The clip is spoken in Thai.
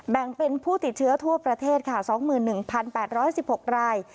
แบ่งเป็นผู้ติดเชื้อทั่วประเทศค่ะ๒๑๘๑๖ราย